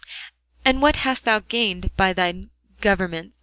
"And what hast thou gained by the government?"